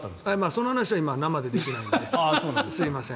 その話は生でできないのですみません。